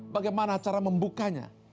bagaimana cara membukanya